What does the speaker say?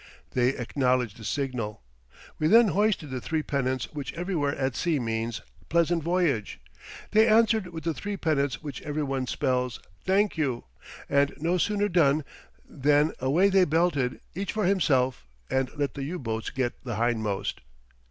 They acknowledged the signal. We then hoisted the three pennants which everywhere at sea means: Pleasant voyage! They answered with the three pennants which everywhere spells: Thank you. And no sooner done than away they belted, each for himself, and let the U boats get the hindmost.